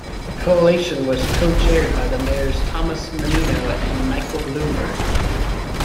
The Coalition was co-chaired by Mayors Thomas Menino and Michael Bloomberg.